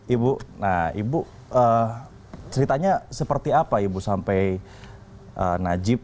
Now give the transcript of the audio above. ibu ceritanya seperti apa ibu sampai najib